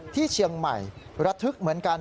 ที่เชียงใหม่ระทึกเหมือนกัน